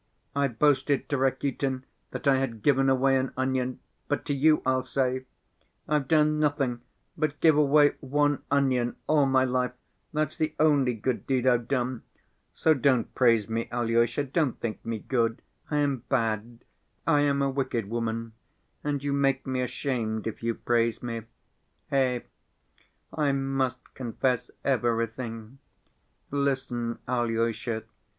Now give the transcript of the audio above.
I boasted to Rakitin that I had given away an onion, but to you I'll say: 'I've done nothing but give away one onion all my life, that's the only good deed I've done.' So don't praise me, Alyosha, don't think me good, I am bad, I am a wicked woman and you make me ashamed if you praise me. Eh, I must confess everything. Listen, Alyosha.